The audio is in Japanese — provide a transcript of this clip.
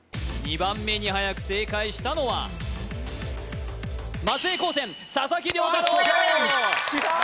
２番目にはやく正解したのは松江高専佐々木涼太郎！よっしゃ！